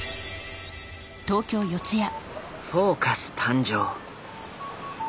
「フォーカス」誕生。